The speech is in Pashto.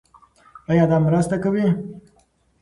ایا دا مرسته کوي؟